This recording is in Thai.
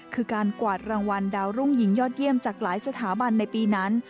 คือการกวาดรางวัลดาวรุ่งหญิงยอดเยี่ยมจากหลายสถาบันในปีนั้น